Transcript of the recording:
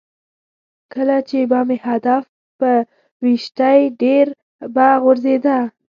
کله چې به مې هدف په ویشتی ډېره به غورځېده.